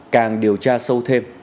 càng điều tra sâu thêm